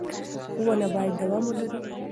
ښوونه باید دوام ولري.